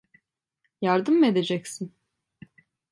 Yardım mı edeceksin?